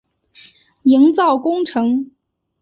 营造工程